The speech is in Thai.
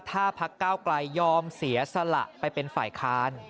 ถ้าพักเก้าไกลยอมเสียสละไปเป็นฝ่ายค้าน